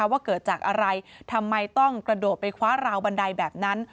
ว่าเกิดจากอะไรทำไมต้องกระโดดไปคว้าราวบันไดแบบนั้น